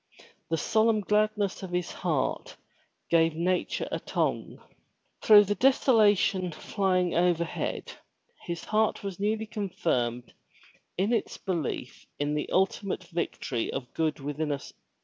The solemn gladness of his heart gave nature a tongue. Through the desolation flying over head, his heart was newly confirmed in its belief in the ultimate victory of good within us.